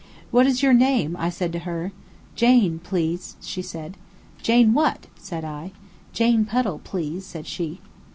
"What is your name?" I said to her. "Jane, please," said she. "Jane what?" said I. "Jane Puddle, please," said she.